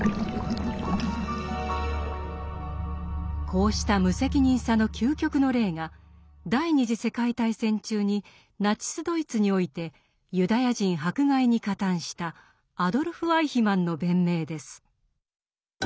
こうした無責任さの究極の例が第二次世界大戦中にナチスドイツにおいてユダヤ人迫害に加担したアドルフ・アイヒマンの弁明です。